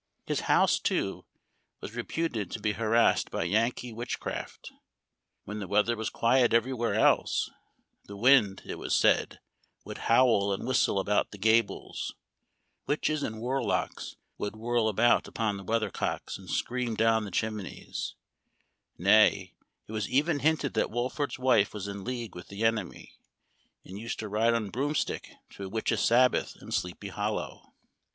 His house, too, was reputed to be harassed by Yankee witch craft. When the weather was quiet every where else, the wind, it was said, would howl and whistle about the gables ; witches and warlocks would whirl about upon the weather cocks and scream down the chimneys ; nay, it was even hinted that Wolfert's wife was in league with the enemy, and used to ride on a broomstick to a witch's Sabbath in Sleepy Hollow.